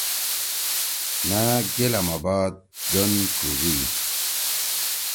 مأ گیلا ما بعد دَن ڇُگُوئی۔